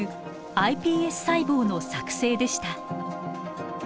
ｉＰＳ細胞の作製でした。